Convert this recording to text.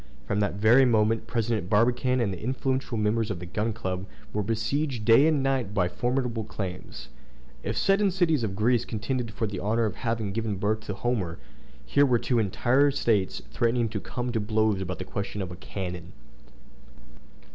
From that very moment President Barbicane and the influential members of the Gun Club were besieged day and night by formidable claims. If seven cities of Greece contended for the honor of having given birth to a Homer, here were two entire States threatening to come to blows about the question of a cannon.